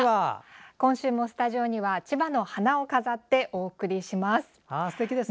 今週もスタジオには千葉の花を飾ってお送りします。